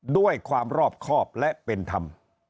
ด้วยความรอบครอบและเป็นธรรม